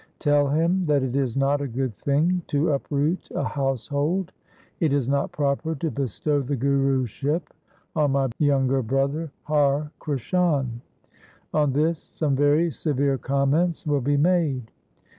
' Tell him that it is not a good thing to up root a household. It is not proper to bestow the Guruship on my younger brother Har Krishan. On this some very severe comments will be made.